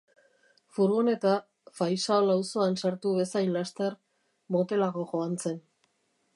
Furgoneta Faisal auzoan sartu bezain laster, motelago joan zen.